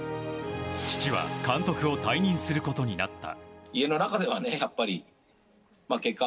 父は監督を退任することになった。